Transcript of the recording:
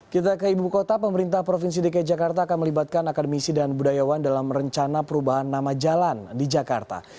kita ke ibu kota pemerintah provinsi dki jakarta akan melibatkan akademisi dan budayawan dalam rencana perubahan nama jalan di jakarta